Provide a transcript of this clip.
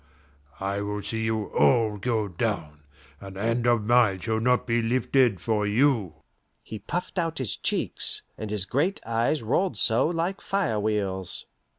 I will see you all go down, and hand of mine shall not be lifted for you!" He puffed out his cheeks, and his great eyes rolled so like fire wheels.